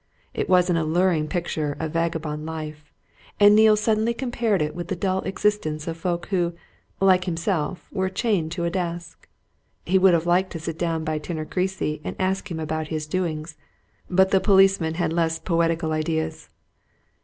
It was an alluring picture of vagabond life, and Neale suddenly compared it with the dull existence of folk who, like himself, were chained to a desk. He would have liked to sit down by Tinner Creasy and ask him about his doings but the policeman had less poetical ideas.